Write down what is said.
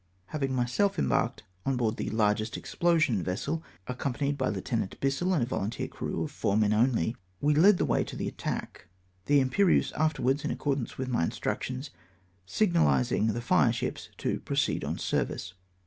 Having myself embarked on board the largest ex plosion vessel, accompanied by Lieut. Bissel and a volunteer crew of four men only, we led the way to the attack ; the Imperieuse afterwards, in accordance with my instructions, signahsing the fireships to " pro ceed on service."